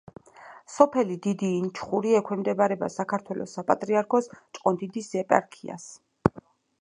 სოფელი დიდი ინჩხური ექვემდებარება საქართველოს საპატრიარქოს ჭყონდიდის ეპარქიას.